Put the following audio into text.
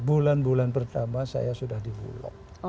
bulan bulan pertama saya sudah di bulog